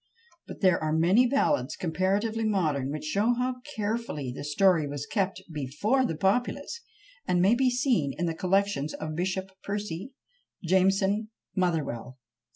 but there are many ballads comparatively modern which show how carefully the story was kept before the populace; and may be seen in the collections of Bishop Percy, Jameson, Motherwell, &c.